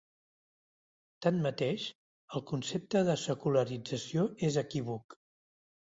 Tanmateix, el concepte de secularització és equívoc.